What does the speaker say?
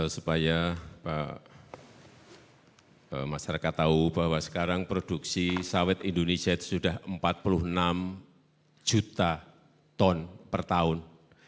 supaya masyarakat tahu bahwa sekarang produksi sawit indonesia itu sudah empat puluh enam juta ton per tahun